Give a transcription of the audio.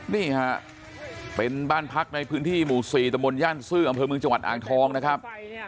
นี่ฮะเป็นบ้านพักในพื้นที่หมู่๔ตะมนตย่านซื่ออำเภอเมืองจังหวัดอ่างทองนะครับ